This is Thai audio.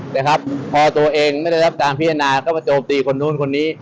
นะครับพอตัวเองไม่ได้รับการพิจารณาก็มาโจมตีคนนู้นคนนี้